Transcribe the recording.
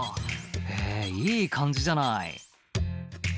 「へぇいい感じじゃない」